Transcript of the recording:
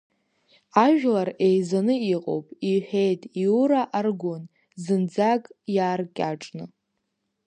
Ажәлар еизаны иҟоуп, — иҳәеит Иура Аргәын, зынӡак иааркьаҿны.